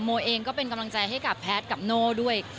โมเองก็เป็นกำลังใจให้กับแพทย์กับโน่ด้วย